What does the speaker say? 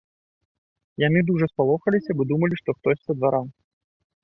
Яны дужа спалохаліся, бо думалі, што хтось са двара.